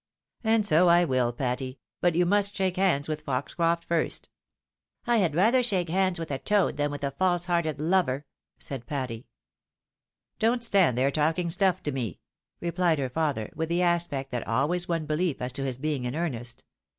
304 THE WIDOW MARRIED. " And ao I mil, Patty ; but you must shake hands "with Foxcroft first." " I had rather shake hands with a toad, than with a false hearted lover," said Patty. " Don't stand there, talking stuff to me," replied her father, with the aspect that always won belief as to his being in earnest.